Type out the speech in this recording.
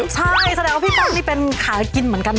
ใช่แสดงว่าพี่ป้องมีเป็นขากินเหมือนกันนั่น